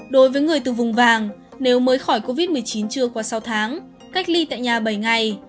đối với người từ vùng vàng nếu mới khỏi covid một mươi chín chưa qua sáu tháng cách ly tại nhà bảy ngày